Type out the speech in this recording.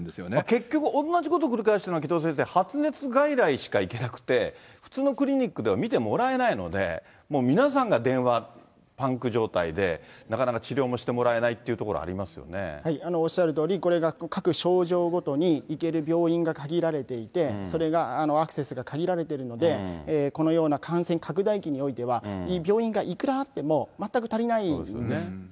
結局、同じことを繰り返しているのが、城戸先生、発熱外来しか行けなくて、普通のクリニックでは見てもらえないので、もう皆さんが電話パンク状態で、なかなか治療もしてもらえないっおっしゃるとおり、これが各症状ごとに行ける病院が限られていて、それがアクセスが限られているので、このような感染拡大期においては、病院がいくらあっても全く足りないんです。